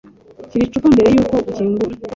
Shyira icupa mbere yuko ukingura.